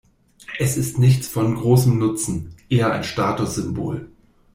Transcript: Es ist nichts von großem Nutzen, eher ein Statussymbol.